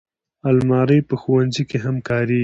الماري په ښوونځي کې هم کارېږي